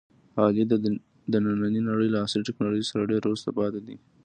علي د نننۍ نړۍ له عصري ټکنالوژۍ څخه ډېر وروسته پاتې دی.